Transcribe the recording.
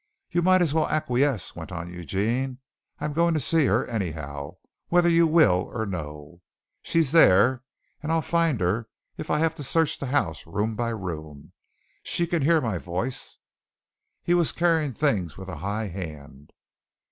"You might as well acquiesce," went on Eugene. "I'm going to see her anyhow, whether you will or no. She's there, and I'll find her if I have to search the house room by room. She can hear my voice." He was carrying things with a high hand.